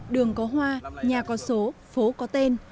đường có hoa nhà có số phố có tên